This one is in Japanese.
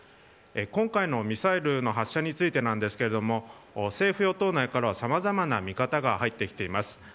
今回のミサイルの発射についてなんですけれども政府与党内からは、さまざまな見方が入ってきています。